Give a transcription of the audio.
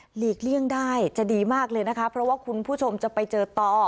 ลีกเลี่ยงได้จะดีมากเลยนะคะเพราะว่าคุณผู้ชมจะไปเจอต่อ